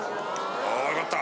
あよかった。